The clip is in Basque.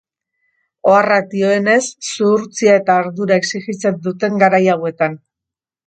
Oharrak dioenez, zuhurtzia eta ardura esijitzen duten garai hauetan.